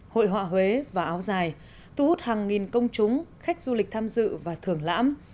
hội họa huế và áo dài thu hút hàng nghìn công chúng khách du lịch tham dự và thưởng lãm